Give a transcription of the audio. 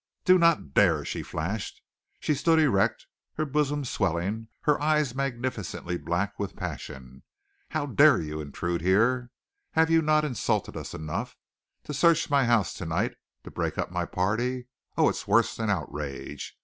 "Do not dare!" she flashed. She stood erect, her bosom swelling, her eyes magnificently black with passion. "How dare you intrude here? Have you not insulted us enough? To search my house to night to break up my party oh, it's worse than outrage!